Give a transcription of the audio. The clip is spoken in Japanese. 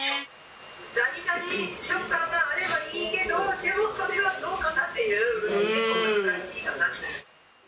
がりがり食感があればいいけど、でもそれはどうかな？っていう、結構難しいかなって。